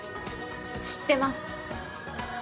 知ってます。